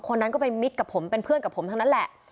คนนั้นก็ไปมิตรกับผมเป็นเพื่อนกับผมทั้งนั้นแหละ